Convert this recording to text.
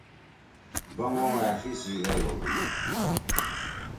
بُنگو أݜی سی ڙید ہودُو۔